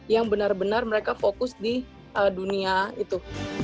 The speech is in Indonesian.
yang benar benar mereka fokus di dunia itu